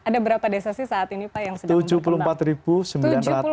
ada berapa desa sih saat ini pak yang sedang